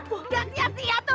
gak sias sias tuh